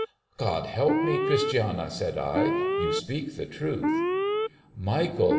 ' God help me, Christiana !' said I. ' You speak the truth.' ' Michael